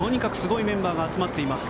とにかくすごいメンバーが集まっています。